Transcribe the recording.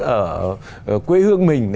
ở quê hương mình